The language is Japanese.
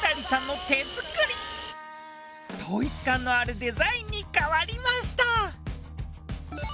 統一感のあるデザインに変わりました。